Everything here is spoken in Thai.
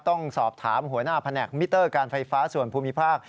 ต้องสอบถามหัวหน้าแผนกมิเตอร์การไฟฟ้าส่วนภูมิภาค